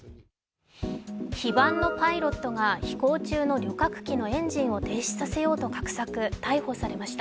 非番のパイロットが飛行中の旅客機の野エンジンを停止させようと画策、逮捕されました。